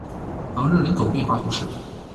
昂热人口变化图示